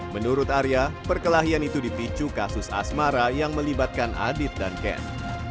menurut arya perkelahian itu dipicu kasus asmara yang melibatkan adit dan ken